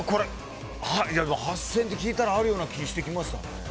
８０００円って聞いたらあるような気がしてきました。